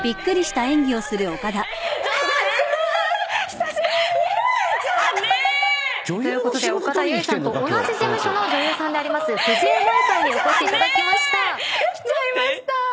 久しぶり！ということで岡田結実さんと同じ事務所の女優さんである藤江萌さんにお越しいただきました。